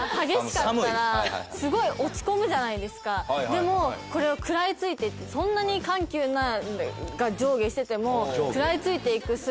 でもこれを食らい付いてってそんなに緩急が上下してても。